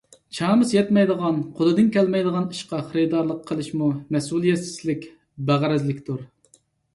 چامىسى يەتمەيدىغان، قولىدىن كەلمەيدىغان ئىشقا خېرىدارلىق قىلىشمۇ مەسئۇلىيەتسىزلىك، بەغەرەزلىكتۇر.